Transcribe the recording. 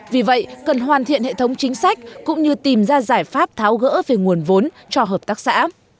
vì vậy cần hoàn thiện hệ thống chính sách cũng như tìm ra giải pháp tháo gỡ về nguồn vốn cho hợp tác xã